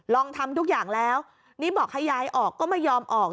ลองทำทุกอย่างแล้วนี่บอกให้ยายออกก็ไม่ยอมออก